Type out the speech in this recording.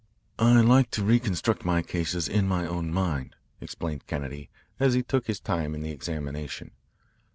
"I like to reconstruct my cases in my own mind," explained Kennedy, as he took his time in the examination.